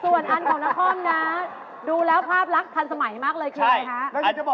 ส่วนอันของนครนะดูแล้วภาพลักษณ์ทันสมัยมากเลยคืออะไรฮะ